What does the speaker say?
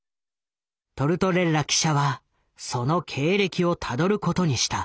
トルトレッラ記者はその経歴をたどることにした。